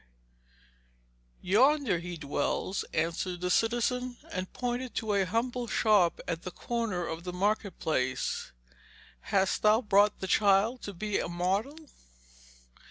'Yonder he dwells,' answered the citizen, and pointed to a humble shop at the corner of the market place. 'Hast thou brought the child to be a model?'